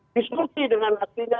diskusi dengan hatinya